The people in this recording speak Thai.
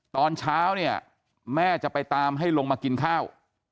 ตอนเช้าเนี่ยแม่จะไปตามให้ลงมากินข้าว